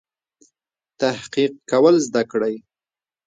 تحقیق کول زده کړئ.